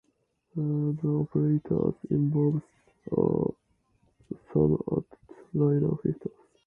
The operators involved are the same as linear filters.